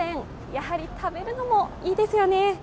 やはり食べるのもいいですよね。